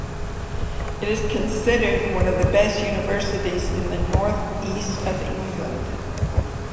It is considered one of the best universities in the North East of England.